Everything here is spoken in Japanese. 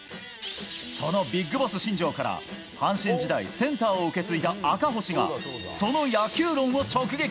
そのビッグボス新庄から阪神時代センターを受け継いだ赤星がその野球論を直撃。